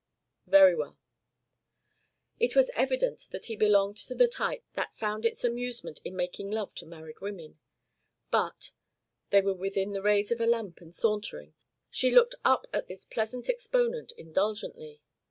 "Very well." It was evident that he belonged to the type that found its amusement in making love to married women; but they were within the rays of a lamp, and sauntering she looked up at this pleasant exponent indulgently.